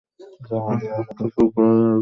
হেই, ওর থেকে দূরে থাক, লেসবো!